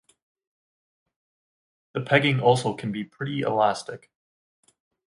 The pegging also can be pretty elastic.